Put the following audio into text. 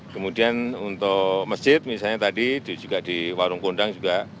kemudian untuk masjid misalnya tadi juga di warung kondang juga